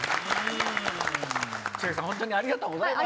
千秋さんありがとうございます。